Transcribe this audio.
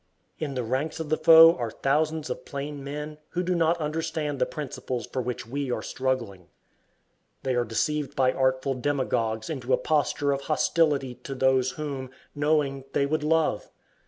In the ranks of the foe are thousands of plain men who do not understand the principles for which we are struggling. They are deceived by artful demagogues into a posture of hostility to those whom, knowing, they would love.